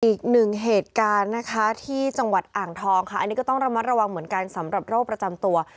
อีกหนึ่งเหตุการณ์นะคะที่จังหวัดอ่างทองค่ะอันนี้ก็ต้องระมัดระวังเหมือนกันสำหรับโรคประจำตัว